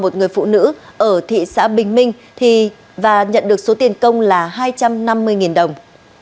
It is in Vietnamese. một người phụ nữ ở thị xã bình minh và nhận được số tiền công là hai trăm năm mươi đồng